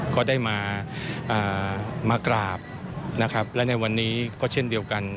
ก็ได้มากราบนะครับและในวันนี้ก็เช่นเดียวกัน